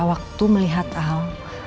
waktu melihat al